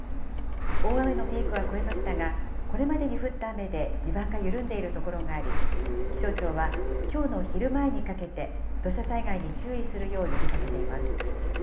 大雨のピークは越えましたが、これまでに降った雨で地盤が緩んでいる所があり、気象庁はきょうの昼前にかけて土砂災害に注意するよう呼びかけています。